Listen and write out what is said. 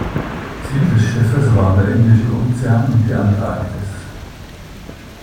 Ziel des Schiffes waren der Indische Ozean und die Antarktis.